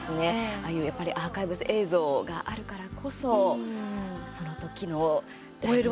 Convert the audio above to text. ああいうアーカイブス映像があるからこそその時の大事なシーンを。